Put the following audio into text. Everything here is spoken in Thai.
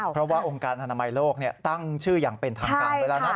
เพราะว่าองค์การอนามัยโลกตั้งชื่ออย่างเป็นทางการไว้แล้วนะ